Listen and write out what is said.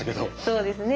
そうですね